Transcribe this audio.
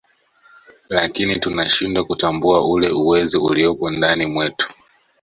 lakini tunashindwa kutambua ule uwezo uliopo ndani mwetu